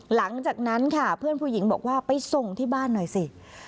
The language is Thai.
หลังจากนั้นค่ะเพื่อนผู้หญิงบอกว่าไปส่งที่บ้านหน่อยสิ